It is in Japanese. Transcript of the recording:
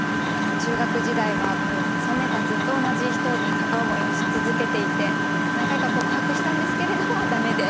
中学時代は３年間ずっと同じ人に片思いをし続けていて何回か告白したんですけれども駄目で。